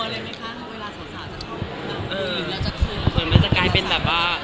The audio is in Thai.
เหมือนมันจะกลายเป็นแบบว่า